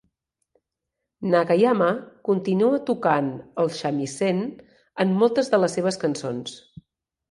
Nagayama continua tocant el shamisen en moltes de les seves cançons.